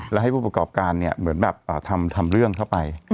และให้พูดประกอบการเหมือนว่าทำเรื่องเข้าไป